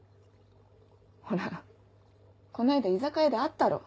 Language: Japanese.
ほらこの間居酒屋であったろ。